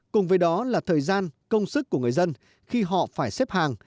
cùng với đó là thời gian công sức của người dân khi họ phải xếp hàng